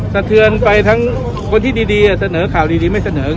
สะเทือนไปทั้งคนที่ดีเสนอข่าวดีไม่เสนอ